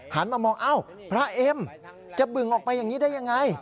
มามองอ้าวพระเอ็มจะบึงออกไปอย่างนี้ได้ยังไง